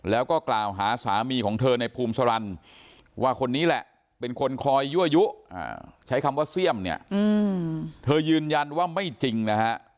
แล้วก็กล่าวหาสามีของเธอในภูมิสารันว่าคนนี้แหละเป็นคนคอยยั่วยุใช้คำว่าเสี่ยมเนี่ยเธอยืนยันว่าไม่จริงนะฮะ